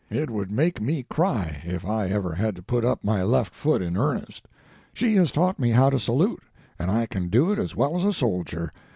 It would make me cry if I ever had to put up my left foot in earnest. She has taught me how to salute, and I can do it as well as a soldier.